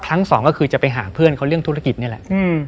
สองก็คือจะไปหาเพื่อนเขาเรื่องธุรกิจนี่แหละ